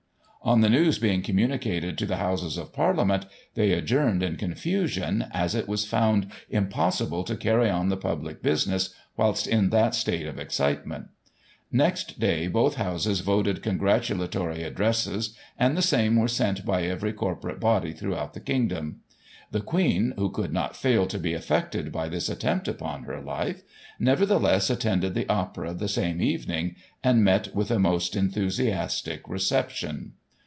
On the news being communicated to the Houses of Parlia ment, they adjourned in confusion, as it was found impos sible to carry on the public business whilst in that state of excitement. Next day both Houses voted congratulatory addresses, and the same were sent by every corporate body throughout the Kingdom.. The Queen, who could not fail to be affected by this attempt upon her life, nevertheless at tended the Opera the same evening, and met with a most enthusiastic reception.